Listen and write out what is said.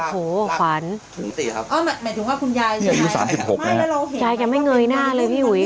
อ๋อหมายถึงว่าคุณยายใช่ไหมไม่แล้วเราเห็นครับยายแกไม่เงยหน้าเลยพี่หุย